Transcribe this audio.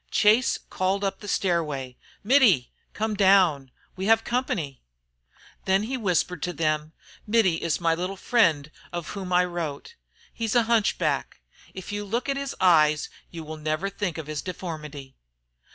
Chase called up the stairway. "Mittie! Come down. We've company." Then he whispered to them, "Mittie is my little friend of whom I wrote. He's a hunchback. If you look at his eyes you will never think of his deformity."